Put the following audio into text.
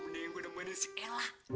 ndih gw nemenin si elah